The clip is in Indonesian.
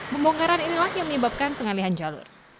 pembongkaran inilah yang menyebabkan pengalihan jalur